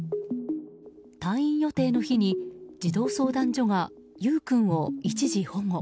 退院予定の日に児童相談所が優雨君を一時保護。